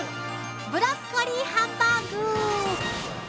ブロッコリーハンバーグ。